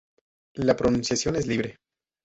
La pronunciación es libre.